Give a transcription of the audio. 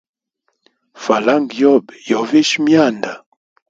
Falanga yobe yo visha myanda.